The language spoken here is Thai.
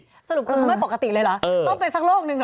สรุปคุณทำให้ปกติเลยเหรอต้องเป็นสักโรคหนึ่งเหรอ